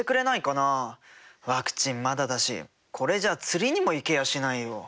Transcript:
ワクチンまだだしこれじゃあ釣りにも行けやしないよ。